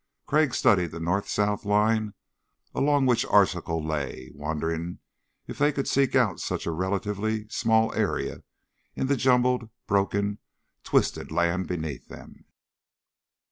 Crag studied the north south line along which Arzachel lay, wondering again if they could seek out such a relatively small area in the jumbled, broken, twisted land beneath them.